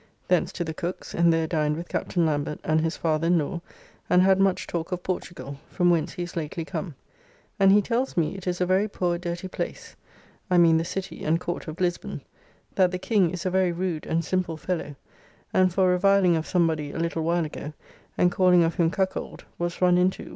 Thence to the Cook's and there dined with Captain Lambert and his father in law, and had much talk of Portugall; from whence he is lately come, and he tells me it is a very poor dirty place; I mean the City and Court of Lisbon; that the King is a very rude and simple fellow; and, for reviling of somebody a little while ago, and calling of him cuckold, was run into....